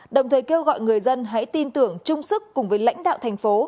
đồng thời kêu gọi người dân hãy tin tưởng chung sức cùng với lãnh đạo thành phố